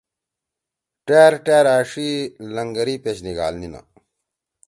ٹأر ٹأر أݜی لنگری پیش نیِگھالنیِنا